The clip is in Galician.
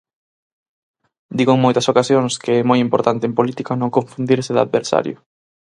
Digo en moitas ocasións que é moi importante en política non confundirse de adversario.